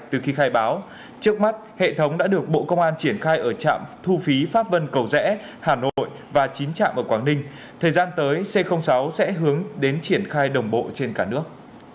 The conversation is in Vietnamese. từ khi khai báo trước mắt hệ thống đã được bộ công an triển khai ở trạm thu phí pháp vân cầu rẽ hà nội và chín trạm ở quảng ninh thời gian tới c sáu sẽ hướng đến triển khai đồng bộ trên cả nước